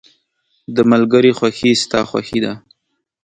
• د ملګري خوښي ستا خوښي ده.